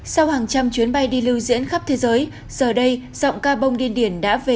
sau hàng trăm chuyến bay đi lưu diễn khắp thế giới giờ đây giọng ca bông điên điển đã về